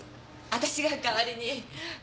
私が代わりに。